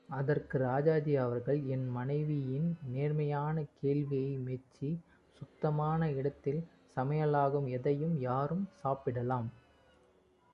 அதற்கு ராஜாஜி அவர்கள் என் மனைவியின் நேர்மையான கேள்வியை மெச்சி சுத்தமான இடத்தில் சமையலாகும் எதையும் யாரும் சாப்பிடலாம்.